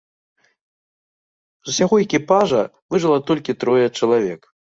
З усяго экіпажа выжыла толькі трое чалавек.